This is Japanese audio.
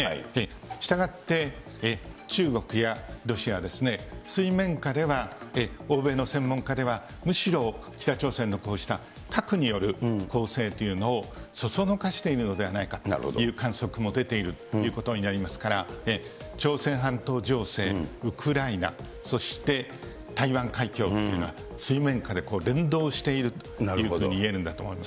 したがって、中国やロシアはですね、水面下では、欧米の専門家では、むしろ北朝鮮のこうした核による攻勢というのをそそのかしているのではないかという観測も出ているということになりますから、朝鮮半島情勢、ウクライナ、そして台湾海峡というのは、水面下で連動しているというふうに言えるんだと思います。